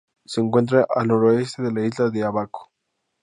Se encuentra al noroeste de la isla de Ábaco.